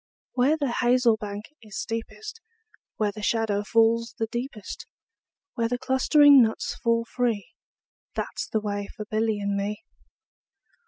Where the hazel bank is steepest, Where the shadow falls the deepest, Where the clustering nuts fall free, 15 That 's the way for Billy and me.